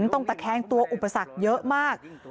ตะแคงตัวอุปสรรคเยอะมาก